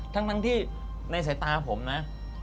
ทั้งที่ในสายตาผมนะ